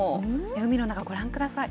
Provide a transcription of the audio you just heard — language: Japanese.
海の中ご覧ください。